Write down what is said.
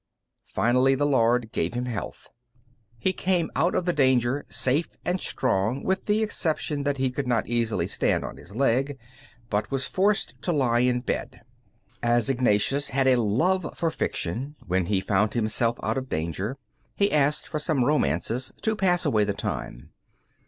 Finally the Lord gave him health. He came out of the danger safe and strong with the exception that he could not easily stand on his leg, but was forced to lie in bed. As Ignatius had a love for fiction, when he found himself out of danger he asked for some romances to pass away the time.